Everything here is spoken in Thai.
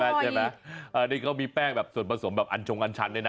อ่ะนี่เขามีแป้งแบบส่วนผสมแบบอัญชงอัญชันด้วยนะ